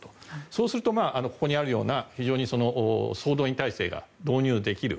そうするとここにあるような非常に総動員体制が導入できる。